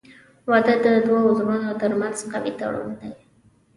• واده د دوه زړونو ترمنځ قوي تړون دی.